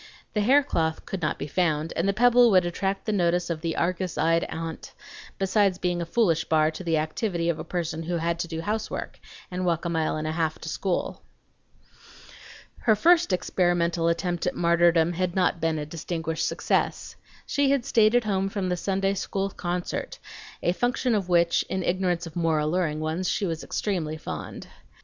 The haircloth could not be found, and the pebble would attract the notice of the Argus eyed aunt, besides being a foolish bar to the activity of a person who had to do housework and walk a mile and a half to school. Her first experimental attempt at martyrdom had not been a distinguished success. She had stayed at home from the Sunday school concert, a function of which, in ignorance of more alluring ones, she was extremely fond.